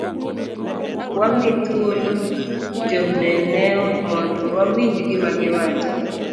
Wami thuolo joneneo mondo wawinj gima giwacho.